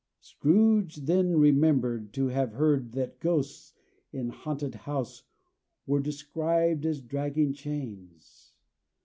Scrooge then remembered to have heard that ghosts in haunted houses were described as dragging chains.